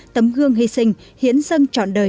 tấm gương hy sinh hiến dân chọn đời